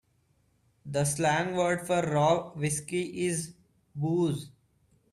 The slang word for raw whiskey is booze.